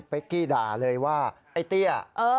พี่เป๊กกี้ด่าเลยว่าไอ้เตี้ย